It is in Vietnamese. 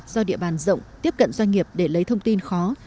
do địa bàn rộng tiếp cận doanh nghiệp để lấy thông tin khó